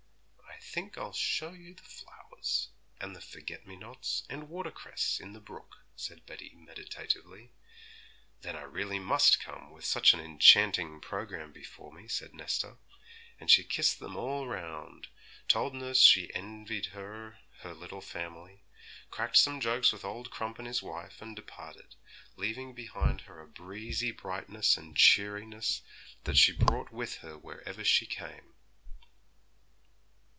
'I think I'll show you the flowers, and the forget me nots and watercress in the brook,' said Betty meditatively. 'Then I really must come, with such an enchanting programme before me,' said Nesta; and she kissed them all round, told nurse she envied her her little family, cracked some jokes with old Crump and his wife, and departed, leaving behind her a breezy brightness and cheeriness that she brought with her wherever she came.